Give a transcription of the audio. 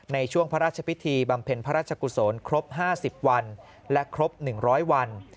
ในช่วงพระราชพิธีบำเพ็ญพระราชกุศลครบ๕๐วันและครบ๑๐๐วัน